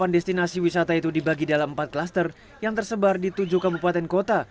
delapan destinasi wisata itu dibagi dalam empat klaster yang tersebar di tujuh kabupaten kota